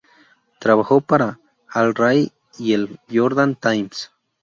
Trabajó para "Al Rai" y el "Jordan Times".